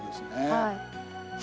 はい。